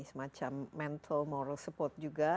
semacam mental moral support juga